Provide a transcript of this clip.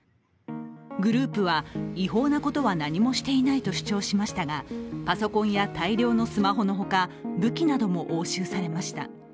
グループは違法なことは何もしていないと主張しましたが、パソコンや大量のスマホのほか武器なども押収されました。